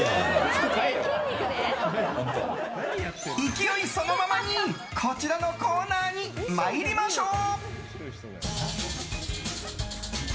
勢いそのままにこちらのコーナーに参りましょう。